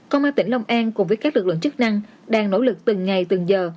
công an tỉnh long an cùng với các lực lượng chức năng đang nỗ lực từng ngày từng giờ